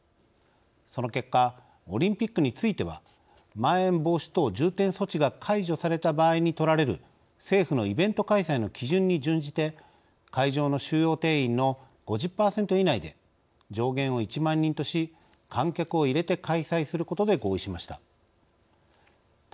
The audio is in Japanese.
その結果オリンピックについてはまん延防止等重点措置が解除された場合に取られる政府のイベント開催の基準に準じて会場の収容定員の５０％以内で上限を１万人とし観客を入れて開催することで合意しました。